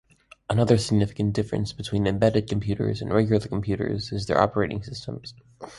Another significant difference between embedded computers and regular computers is their operating systems.